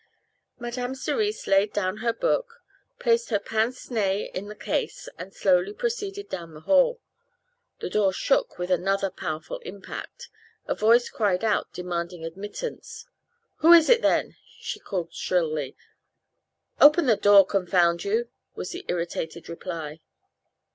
Madame Cerise laid down her book, placed her pince nez in the case, and slowly proceeded down the hall. The door shook with another powerful impact, a voice cried out demanding admittance. "Who is it, then?" she called shrilly. "Open the door, confound you!" was the irritated reply.